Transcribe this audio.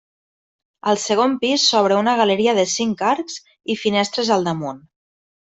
Al segon pis s'obre una galeria de cinc arcs i finestres al damunt.